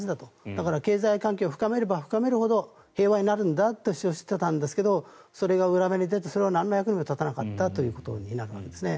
だから、経済関係を深めれば深めるほど平和になるんだと主張していたんですがそれが裏目に出てそれが何の役にも立たなかったということになるわけですね。